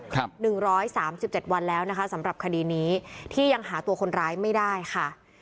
ครับ๑๓๗วันแล้วนะคะสำหรับคดีนี้ที่ยังหาตัวคนร้ายไม่ได้ค่ะ